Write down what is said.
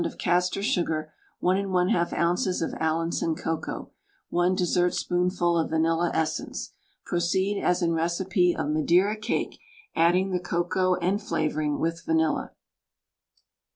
of castor sugar, 1 1/2 oz. of Allinson cocoa, 1 dessertspoonful of vanilla essence. Proceed as in recipe of "Madeira Cake," adding the cocoa and flavouring with vanilla.